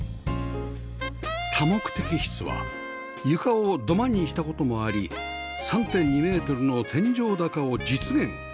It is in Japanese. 多目的室は床を土間にした事もあり ３．２ メートルの天井高を実現